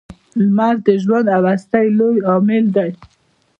• لمر د ژوند او هستۍ لوی عامل و.